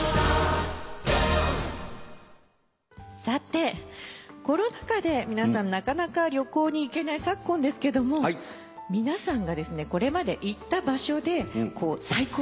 さてコロナ禍で皆さんなかなか旅行に行けない昨今ですけども皆さんがこれまで行った場所でこう最高だった